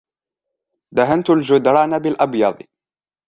دهنَت الجدران بالأبيض.